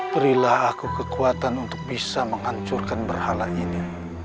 berilah aku kekuatan untuk bisa menghancurkan berhala ini